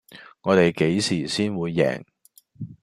我地幾時先會贏